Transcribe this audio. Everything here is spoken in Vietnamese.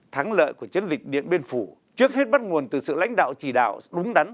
thắng lợi của chiến dịch điện biên phủ trước hết bắt nguồn từ sự lãnh đạo chỉ đạo đúng đắn